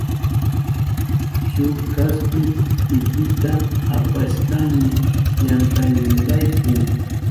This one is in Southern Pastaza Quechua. Shuk kaspi pitita apashkani yantaynirayku.